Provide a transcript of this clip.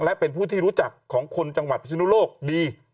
และเป็นผู้ที่รู้จักของคนจังหวัดพิศนุโลกดี